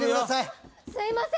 すいません